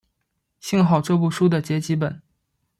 幸好这部书的结集本。